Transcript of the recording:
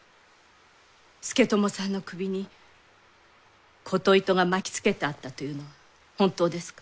佐智さんの首に琴糸が巻きつけてあったというのは本当ですか？